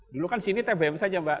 dulu kan sini tbm saja mbak